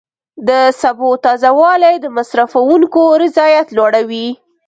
د سبو تازه والی د مصرفونکو رضایت لوړوي.